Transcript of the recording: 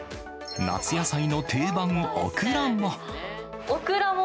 夏野菜の定番、おくらも。